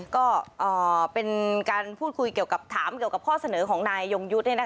ก็เป็นการพูดคุยเกี่ยวกับถามเกี่ยวกับข้อเสนอของนายยงยุทธ์